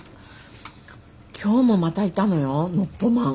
今日もまたいたのよノッポマン。